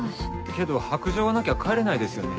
けど白杖がなきゃ帰れないですよね？